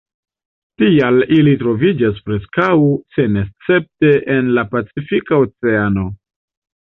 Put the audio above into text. Tial ili troviĝas preskaŭ senescepte en la Pacifika Oceano.